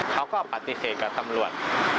เขาก็ปฏิเสธกับตำรวจ